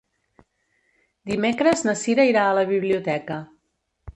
Dimecres na Cira irà a la biblioteca.